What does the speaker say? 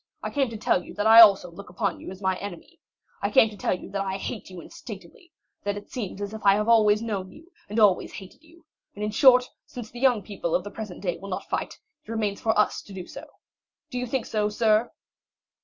I came to tell you that I also look upon you as my enemy. I came to tell you that I hate you instinctively; that it seems as if I had always known you, and always hated you; and, in short, since the young people of the present day will not fight, it remains for us to do so. Do you think so, sir?"